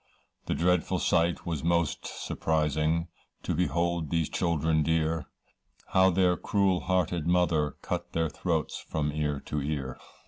The dreadful sight was most surprising, To behold these children dear, How their cruel hearted mother, Cut their throats from ear to ear.